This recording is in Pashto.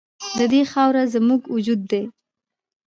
د دې خاوره زموږ وجود دی